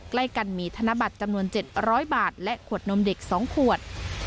ใกล้กันมีธนบัตรจำนวน๗๐๐บาทและขวดนมเด็ก๒ขวด